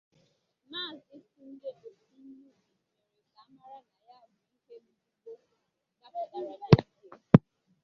Maazị Tunde Osinubi mèrè ka a mara na ya bụ ihe mbigbo dapụtàrà n'ezie